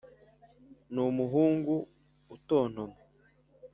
n'umuhungu utontoma.